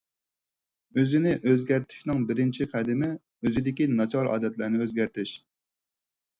ئۆزىنى ئۆزگەرتىشنىڭ بىرىنچى قەدىمى، ئۆزىدىكى ناچار ئادەتلەرنى ئۆزگەرتىش.